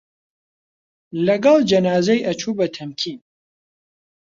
لەگەڵ جەنازەی ئەچوو بە تەمکین